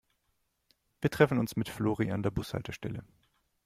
Wir treffen uns mit Flori an der Bushaltestelle.